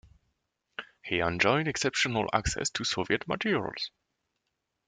He enjoyed exceptional access to Soviet materials.